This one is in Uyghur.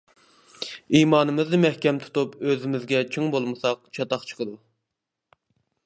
ئىمانىمىزنى مەھكەم تۇتۇپ ئۆزىمىزگە چىڭ بولمىساق چاتاق چىقىدۇ.